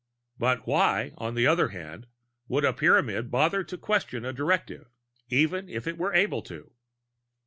But why, on the other hand, would a Pyramid bother to question a directive, even if it were able to?